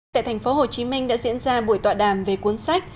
tại thành phố hồ chí minh đã diễn ra buổi tọa đàm về cuốn sách